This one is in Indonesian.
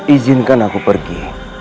izinkan aku pergi